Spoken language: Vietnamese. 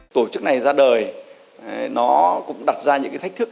tổ chức này ra đời nó cũng đặt ra những thách thước